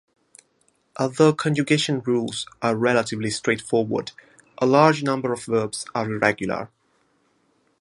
Although conjugation rules are relatively straightforward, a large number of verbs are irregular.